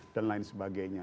dan lain sebagainya